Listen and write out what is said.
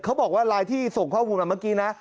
เขาบอกว่าไลน์ที่ส่งข้อมูลมาเมื่อกี้นะ